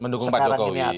mendukung pak jokowi